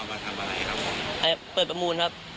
มาทำอะไรครับผมเปิดประมูลครับ